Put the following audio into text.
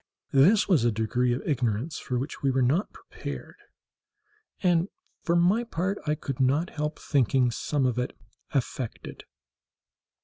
This was a degree of ignorance for which we were not prepared, and for my part I could not help thinking some of it affected.